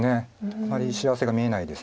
あまり幸せが見えないです。